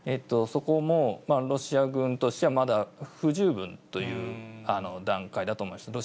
そこもロシア軍としてはまだ不十分という段階だと思います。